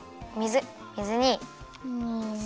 水水に。